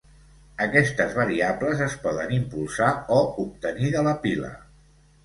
Aquestes variables es poden impulsar o obtenir de la pila.